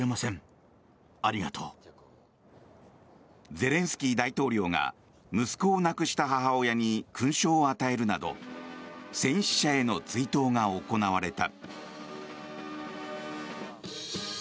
ゼレンスキー大統領が息子を亡くした母親に勲章を与えるなど戦死者への追悼が行われた。